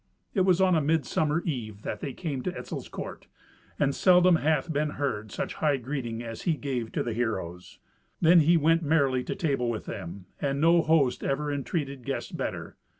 It was on a midsummer eve that they came to Etzel's court, and seldom hath been heard such high greeting as he gave to the heroes. Then he went merrily to table with them, and no host ever entreated guests better.